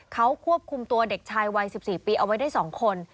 เขาควบคุมตัวเด็กชายวัย๑๔ปีเอาไว้ได้๒คน